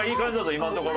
今のところ。